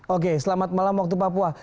oke selamat malam waktu papua